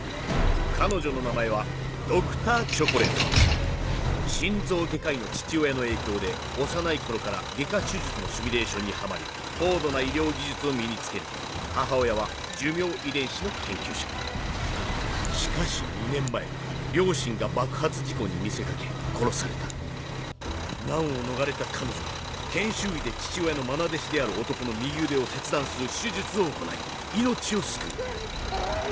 彼女の名前はＤｒ．チョコレート心臓外科医の父親の影響で幼い頃から外科手術のシミュレーションにハマり高度な医療技術を身に付ける母親は寿命遺伝子の研究者しかし２年前両親が爆発事故に見せかけ殺された難を逃れた彼女は研修医で父親のまな弟子である男の右腕を切断する手術を行い命を救ううぅ！